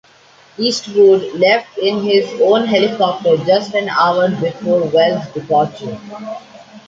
Eastwood left in his own helicopter just an hour before Wells' departure.